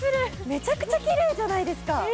めちゃくちゃきれいじゃないですか。